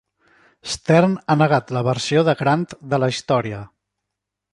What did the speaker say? Stern ha negat la versió de Grant de la història.